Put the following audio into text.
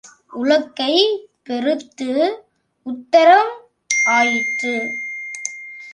உலக்கை பெருத்து உத்தரம் ஆயிற்று.